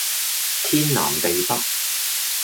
天南地北